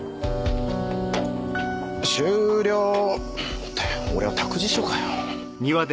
終了！って俺は託児所かよ。